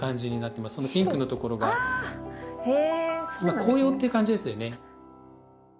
紅葉っていう感じですよね。